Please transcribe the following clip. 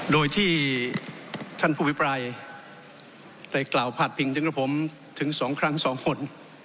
โดยที่ท่านผู้วิปรายได้กล่าวพาดพิงถึงกับผมถึง๒ครั้ง๒คน